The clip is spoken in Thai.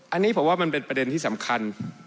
อันนี้ผมว่ามันเป็นประเด็นที่สำคัญ